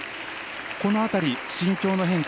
この辺り、心境の変化